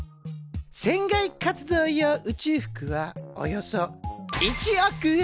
船外活動用宇宙服はおよそ１億円。